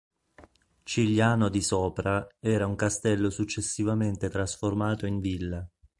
Cigliano di sopra era un castello successivamente trasformato in villa.